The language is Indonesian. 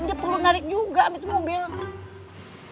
dia perlu narik juga ambil mobil